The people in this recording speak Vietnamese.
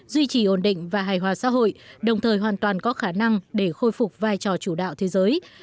duy trì ổn định và hài hòa xã hội đồng thời hoàn toàn có khả năng để khôi phục vai trò chủ đạo thế giới